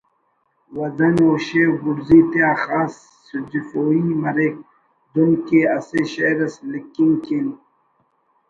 وزن و شیف بڑزی تیا خاص سجفوئی مریک دن کہ اسہ شئیر اس لکھنگ کن